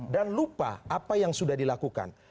dan lupa apa yang sudah dilakukan